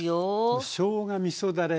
しょうがみそだれ